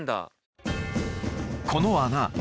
この穴